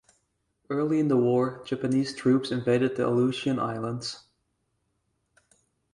Early in the war, Japanese troops invaded the Aleutian Islands.